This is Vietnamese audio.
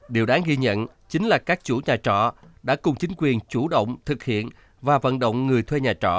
điều đáng ghi nhận chính là các chủ nhà trọ đã cùng chính quyền chủ động thực hiện và vận động người thuê nhà trọ